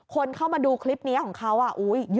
คนเข้ามาดูคลิปนี้ของเขา